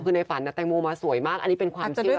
คือในฝันแตงโมมาสวยมากอันนี้เป็นความเชื่อ